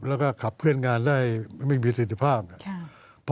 แล้วก็ขับเพื่อนงานได้ไม่มีสิทธิภาพ